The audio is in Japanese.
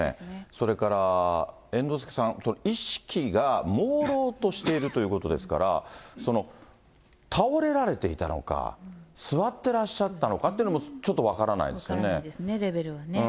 それから猿之助さん、意識がもうろうとしているということですから、倒れられていたのか、座ってらっしゃったのかっていうのも、ちょっと分からないで分からないですね、レベルがね。